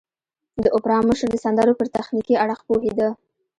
د اوپرا مشر د سندرو پر تخنيکي اړخ پوهېده.